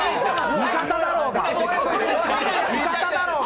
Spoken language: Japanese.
味方だろうが。